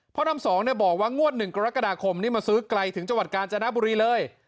เพ้อน้ำสองเนี่ยบอกว่างวล๑กรกฎาคมมาซื้อไกลถึงจังหวัดกาลจรณบุรีเลย